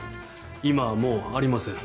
今はもうありません。